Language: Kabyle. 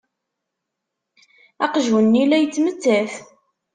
Aqjun-nni la yettmettat.